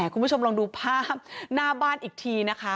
คุณผู้ชมลองดูภาพหน้าบ้านอีกทีนะคะ